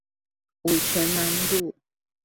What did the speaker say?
五權南路